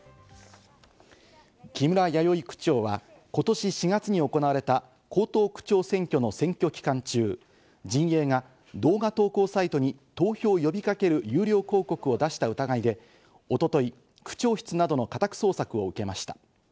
木村弥生区長は、ことし４月に行われた江東区長選挙の選挙期間中、陣営が動画投稿サイトに投票を呼びかける有料広告を出した疑いでおととい、区長室などの家宅捜索を受けました。